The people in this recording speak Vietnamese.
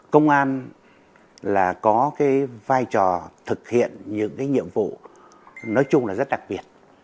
công an là có cái vai trò thực hiện những cái nhiệm vụ nói chung là rất đặc biệt